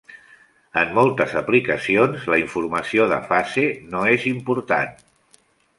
En moltes aplicacions, la informació de fase no és important.